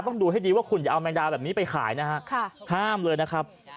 ต้องดูให้ดีว่าคุณจะเอาแมงดาแบบนี้ไปขายนะฮะห้ามเลยนะครับ